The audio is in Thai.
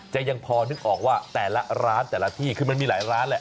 ยังพอนึกออกว่าแต่ละร้านแต่ละที่คือมันมีหลายร้านแหละ